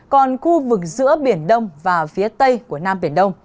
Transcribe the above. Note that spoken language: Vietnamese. còn khu vực giữa biển đông và phía tây của nam biển đông